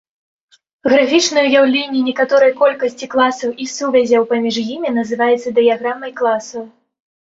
Графічнае ўяўленне некаторай колькасці класаў і сувязяў паміж імі называецца дыяграмай класаў.